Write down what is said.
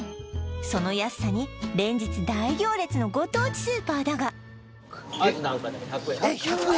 その安さに連日大行列のご当地スーパーだがえっ１００円！？